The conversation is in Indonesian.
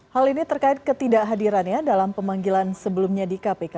hal ini terkait ketidakhadirannya dalam pemanggilan sebelumnya di kpk